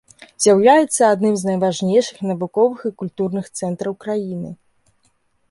З'яўляецца адным з найважнейшых навуковых і культурных цэнтраў краіны.